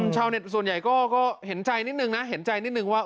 ชาวเน็ตส่วนใหญ่ก็เห็นใจนิดนึงนะเห็นใจนิดนึงว่า